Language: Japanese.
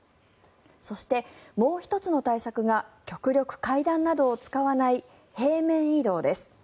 そしてもう１つの対策が極力、階段などを使わない平面移動です。